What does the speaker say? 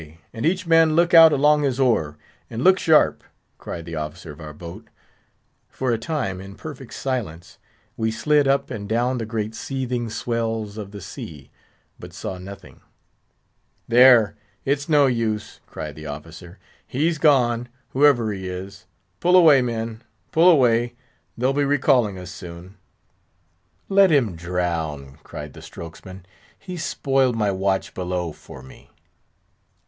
and each man look out along his oar, and look sharp!" cried the officer of our boat. For a time, in perfect silence, we slid up and down the great seething swells of the sea, but saw nothing. "There, it's no use," cried the officer; "he's gone, whoever he is. Pull away, men—pull away! they'll be recalling us soon." "Let him drown!" cried the strokesman; "he's spoiled my watch below for me."